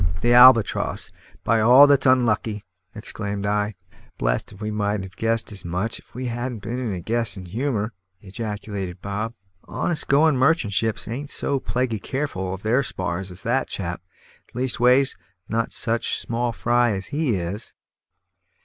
"The Albatross, by all that's unlucky!" exclaimed I. "Blest if we mightn't have guessed as much if we'd been in a guessin' humour," ejaculated Bob. "Honest going merchant ships ain't so plaguy careful of their spars as that chap leastways, not such small fry as he is.